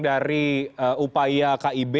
dari upaya kib